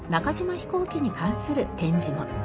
飛行機に関する展示も。